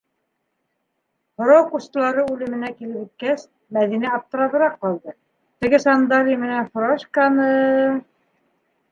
Һорау ҡустылары үлеменә килеп еткәс, Мәҙинә аптырабыраҡ ҡалды: теге сандали менән фуражканы...